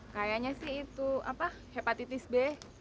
kayaknya sih itu hepatitis b